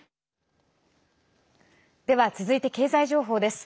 では、続いて経済情報です。